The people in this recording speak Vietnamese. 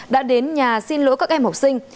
đã đến nhà xin lỗi các em học sinh